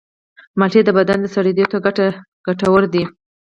مالټې د بدن سړېدو ته ګټورې دي.